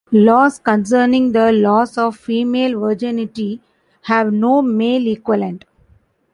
Laws concerning the loss of female virginity have no male equivalent.